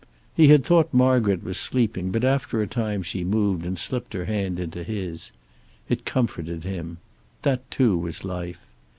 He had thought Margaret was sleeping, but after a time she moved and slipped her hand into his. It comforted him. That, too, was life.